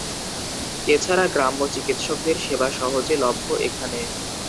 এছাড়া গ্রাম্য চিকিৎসকদের সেবা সহজ লভ্য এখানে।